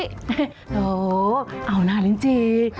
โอ้โฮเอาน่าลิ้นจี